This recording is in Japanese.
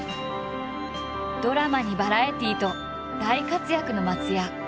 ドラマにバラエティーと大活躍の松也。